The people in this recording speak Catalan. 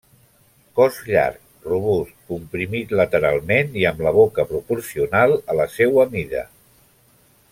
Cos llarg, robust, comprimit lateralment i amb la boca proporcional a la seua mida.